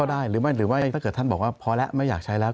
ได้หรือไม่หรือว่าถ้าเกิดท่านบอกว่าพอแล้วไม่อยากใช้แล้ว